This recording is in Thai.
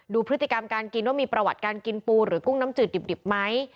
ดูพฤติกรรมการกินว่ามีประวัติการกินปูหรือกุ้งน้ำจืดดิบไหม